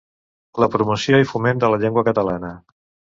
La promoció i foment de la llengua catalana.